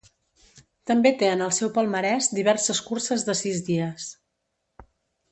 També té en el seu palmarès diverses curses de sis dies.